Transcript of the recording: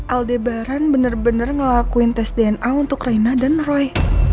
aldebaran bener bener ngelakuin tes dna untuk raina dan roy